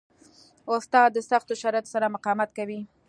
استاد د سختو شرایطو سره مقاومت کوي.